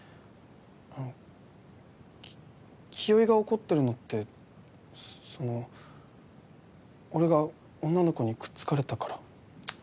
あの清居が怒ってるのってその俺が女の子にくっつかれたから。